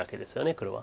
黒は。